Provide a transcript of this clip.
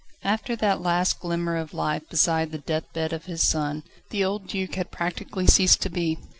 After that last glimmer of life beside the deathbed of his son, the old Duc had practically ceased to be.